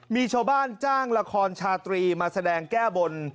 มีชาวบ้านจ้างละครชาตรีมาแสดงแก้บน